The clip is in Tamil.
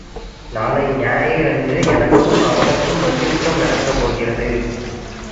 நாளை ஞாயிறு அன்று எனக்கும் அவனுக்கும் மல்யுத்தம் நடக்கப்போகிறது.